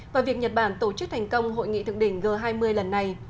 và việc nhật bản tổ chức thành công hội nghị thượng đỉnh g hai mươi lần này